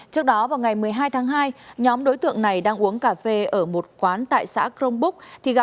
trước đó vào ngày một mươi hai tháng hai nhóm đối tượng này đang uống cà phê ở một quán tại xã crong book